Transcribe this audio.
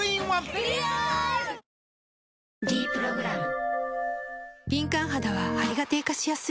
「ｄプログラム」